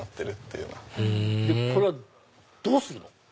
へぇこれはどうするの？